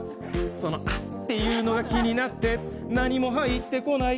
そのアッていうのが気になって、何も入ってこない。